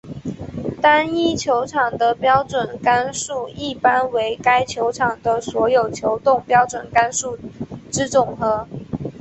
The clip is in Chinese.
单一球场的标准杆数一般为该球场的所有球洞标准杆数之总和。